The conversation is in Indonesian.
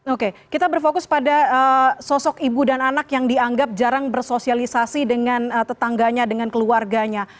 oke kita berfokus pada sosok ibu dan anak yang dianggap jarang bersosialisasi dengan tetangganya dengan keluarganya